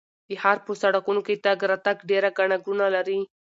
د ښار په سړکونو کې تګ راتګ ډېر ګڼه ګوڼه لري.